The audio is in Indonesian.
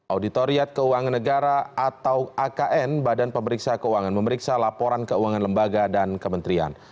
auditoriat keuangan negara atau akn badan pemeriksa keuangan memeriksa laporan keuangan lembaga dan kementerian